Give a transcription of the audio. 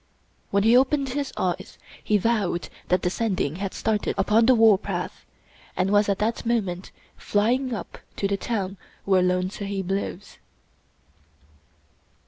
When he opened his eyes he vowed that the Sending had started upon the warpath, and was at that moment flying up to the town where Lone Sahib lives.